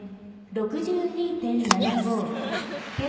６２．７５。